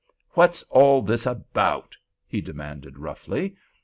"What's all this about?" he demanded, roughly.